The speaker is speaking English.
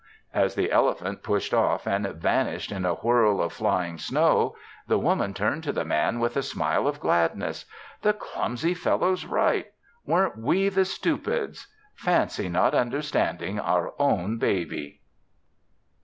As the elephant pushed off and vanished in a whirl of flying snow, the Woman turned to the Man with a smile of gladness. "The clumsy fellow's right. Weren't we the stupids? Fancy not understanding our own baby!"